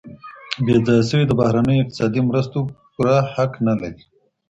بې ځایه سوي د بهرنیو اقتصادي مرستو پوره حق نه لري.